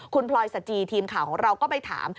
คุณพลอยสจีทีมข่าวของเราก็ไปถาม